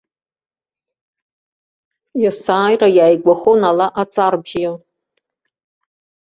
Иасааира иааигәахон ала аҵарбжьы.